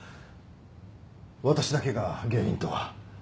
私だけが原因とは